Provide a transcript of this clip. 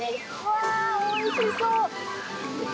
わー、おいしそう。